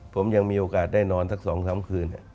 ผมยังมีโอกาสได้นอนสัก๒๓คืน